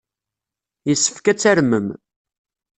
Yessefk ad tarmem.